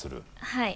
はい。